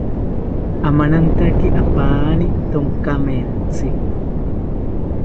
Amanantaki apani tonkamentzi